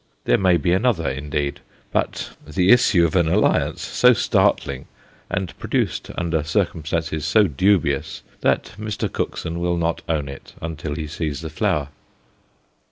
There may be another indeed, but the issue of an alliance so startling, and produced under circumstances so dubious, that Mr. Cookson will not own it until he sees the flower.